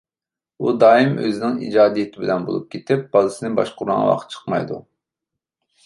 ئۇ دائىم ئۆزىنىڭ ئىجادىيىتى بىلەن بولۇپ كېتىپ بالىسىنى باشقۇرىدىغانغا ۋاقتى چىقمايدۇ.